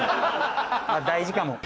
大事かも。